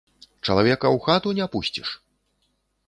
Чалавека ў хату не пусціш?